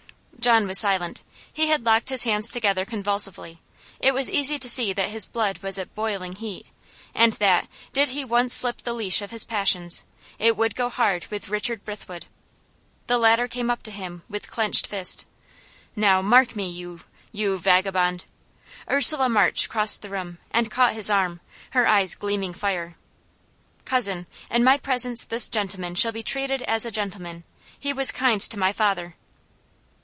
John was silent; he had locked his hands together convulsively; but it was easy to see that his blood was at boiling heat, and that, did he once slip the leash of his passions, it would go hard with Richard Brithwood. The latter came up to him with clenched fist. "Now mark me, you you vagabond!" Ursula March crossed the room, and caught his arm, her eyes gleaming fire. "Cousin, in my presence this gentleman shall be treated as a gentleman. He was kind to my father."